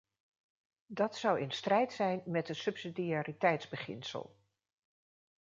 Dat zou in strijd zijn met het subsidiariteitsbeginsel.